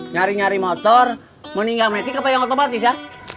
nyari nyari motor mending gak main tiket otomatis ya